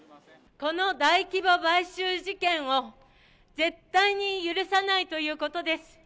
この大規模買収事件を、絶対に許さないということです。